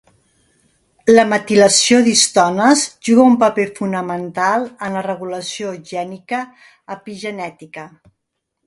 La metilació d'histones juga un paper fonamental en la regulació gènica epigenètica.